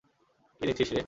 কী দেখছিস রে?